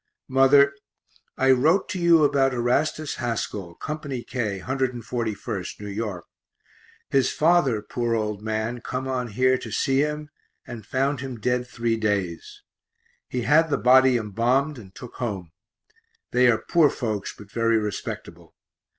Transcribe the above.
Mother, I wrote to you about Erastus Haskell, Co. K, 141st, N. Y. his father, poor old man, come on here to see him and found him dead three days. He had the body embalmed and took home. They are poor folks but very respectable.